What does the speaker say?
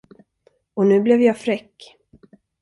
Och nu blev jag fräck.